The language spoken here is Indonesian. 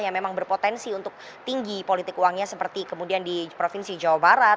yang memang berpotensi untuk tinggi politik uangnya seperti kemudian di provinsi jawa barat